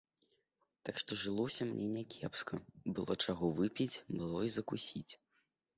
Так што жылося мне някепска, было чаго выпіць, было і закусіць.